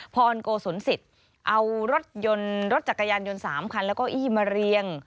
พรโกศนศิษย์เอารถจักรยานยนต์สามคันแล้วก็อี้มาเรียง